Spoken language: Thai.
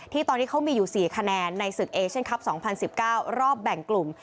ตอนนี้เขามีอยู่๔คะแนนในศึกเอเชียนคลับ๒๐๑๙รอบแบ่งกลุ่ม